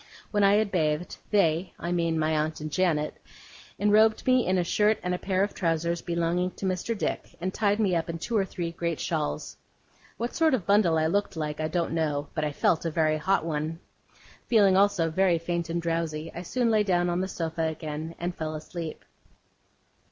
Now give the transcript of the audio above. When I had bathed, they (I mean my aunt and Janet) enrobed me in a shirt and a pair of trousers belonging to Mr. Dick, and tied me up in two or three great shawls. What sort of bundle I looked like, I don't know, but I felt a very hot one. Feeling also very faint and drowsy, I soon lay down on the sofa again and fell asleep.